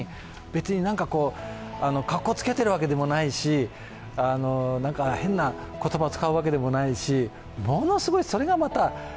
別にかっこつけてるわけでもないし、変な言葉を使うわけでもないしものすごい、それがまた。